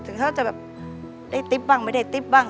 ถึงเขาจะแบบได้ติ๊บบ้างไม่ได้ติ๊บบ้าง